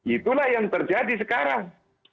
itulah yang terjadi sekarang